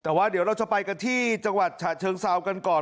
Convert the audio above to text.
แต่ว่าเดี๋ยวเราจะไปกันที่จังหวัดฉะเชิงเซากันก่อน